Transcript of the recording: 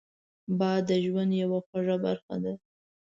باد د ژوند یوه خوږه برخه ده